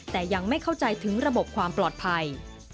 แต่ยังไม่เข้าใจถึงระบบความปลอดภัย